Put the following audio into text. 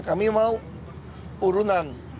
kami mau urunan